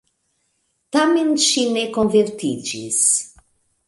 Tamen ŝi ne konvertiĝis.